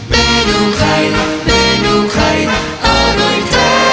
เมนูไข่เมนูไข่อร่อยแท้ยักษ์กิน